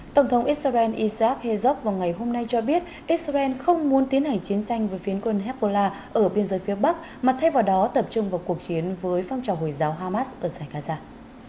tổng thống israel isaac hezok vào ngày hôm nay cho biết israel không muốn tiến hành chiến tranh với phiến quân hezbollah ở biên giới phía bắc mà thay vào đó tập trung vào cuộc chiến với phong trào hồi giáo hamas ở sài gòn